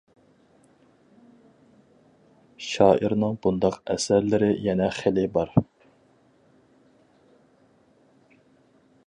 شائىرنىڭ بۇنداق ئەسەرلىرى يەنە خېلى بار.